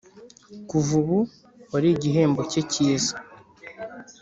kuva ubu wari igihembo cye cyiza